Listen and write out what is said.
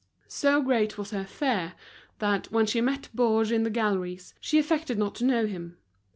So great was her fear, that, when she met Baugé in the galleries, she affected not to know him.